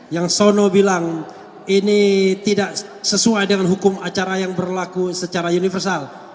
yang sono bilang ini tidak sesuai dengan hukum acara yang berlaku secara universal